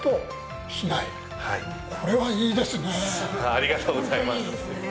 ありがとうございます。